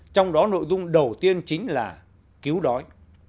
trong đó nội dung đầu tiên chính là cứu đói